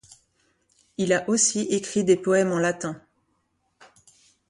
Il a aussi écrit des poèmes en latin.